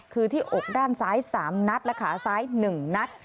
คือที่อกด้านซ้าย๓นัดและขาซ้าย๑นัด